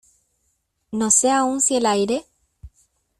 No sé aún si el aire